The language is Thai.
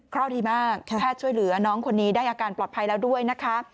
เพราะดีมากแพทย์ช่วยเหลือน้องคนนี้ได้อาการปลอดภัยแล้วด้วยนะคะ